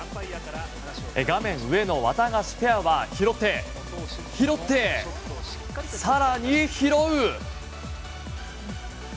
画面上のワタガシペアは拾って、拾って、更に拾う。